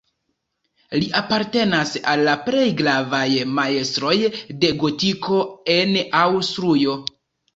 Li apartenas al la plej gravaj majstroj de gotiko en Aŭstrujo.